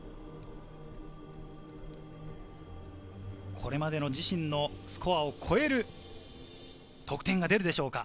これまでの自身のスコアを超える得点が出るでしょうか。